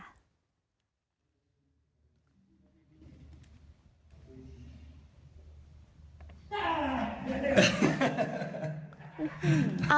โอ้โห